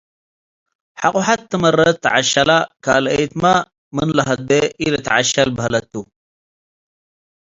ሐቆ ሐቴ መረት ተዐሸለ ካልአይትመ ምን ለሀዴ ኢልትዐሸል በህለት ቱ ።